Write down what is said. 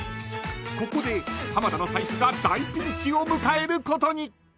［ここで浜田の財布が大ピンチを迎えることに］